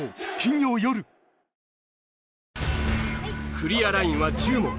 クリアラインは１０問。